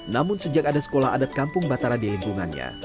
namun sejak ada sekolah adat kampung batara di lingkungannya